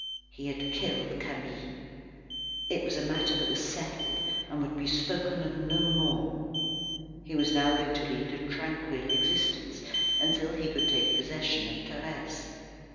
He had killed Camille. It was a matter that was settled, and would be spoken of no more. He was now going to lead a tranquil existence, until he could take possession of Thérèse.